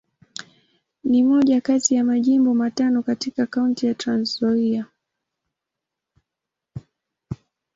Ni moja kati ya Majimbo matano katika Kaunti ya Trans-Nzoia.